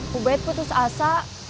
bu bet putus asa